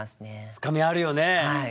深みあるよね。